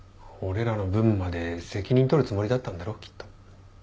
俺らの分まで責任取るつもりだったんだろきっと。